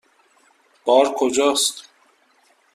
بار کجاست؟